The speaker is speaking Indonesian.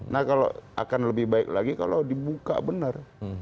nah kalau akan lebih baik lagi kalau dibuka benar